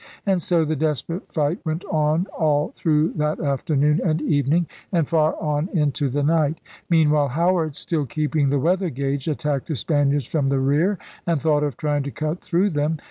And so the desperate fight went on all through that afternoon and evening and far on into the night. Meanwhile Howard, still keeping the weather gage, attacked the Spaniards from the rear and thought of trying to cut through them.